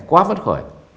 quá vất khởi